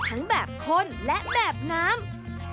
ทั้งแบบคนและแบบน้ำ